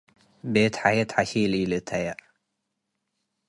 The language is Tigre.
ቤት ሐየት ሐሺል ኢልእተየ።